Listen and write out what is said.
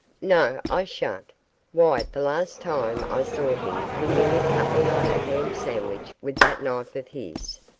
'No, I shan't. Why, the last time I saw him he nearly cut me like a ham sandwich with that knife of his.